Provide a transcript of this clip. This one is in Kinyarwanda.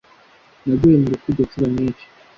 naguye mu rukundo inshuro nyinshi